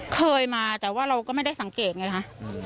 เคยมาแต่ว่าเราก็ไม่ได้สังเกตไงฮะ